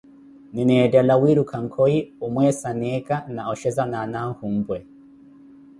Nineetthela wiiruka nkoy, omweesa neeka na oshezana anahumpwe.